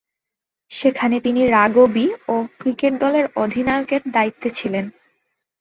সেখানে তিনি রাগবি ও ক্রিকেট দলের অধিনায়কের দায়িত্বে ছিলেন।